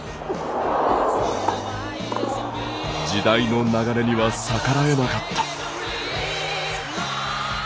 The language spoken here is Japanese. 時代の流れには逆らえなかった。